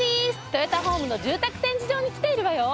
トヨタホームの住宅展示場に来ているわよ。